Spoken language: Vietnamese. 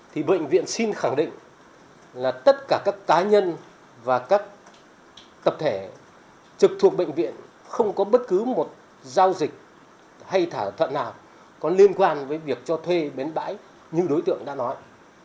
thì bệnh viện xin khẳng định là tất cả các cá nhân và các tập thể trực thuộc bệnh viện không có bất cứ một giao dịch hay thỏa thuận nào có liên quan với việc cho thuê bến bãi như đối tượng đã nói